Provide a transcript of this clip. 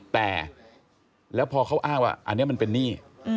แต่แล้วพอเขาอ้างว่าอันนี้มันเป็นหนี้